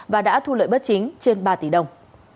và đã thu lợi bất chính trên ba tỷ đồng